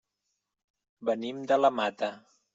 Venim de la Mata.